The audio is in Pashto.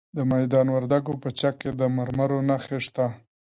د میدان وردګو په چک کې د مرمرو نښې شته.